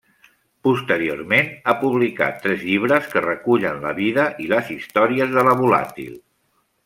Posteriorment ha publicat tres llibres que recullen la vida i les històries de La Volàtil.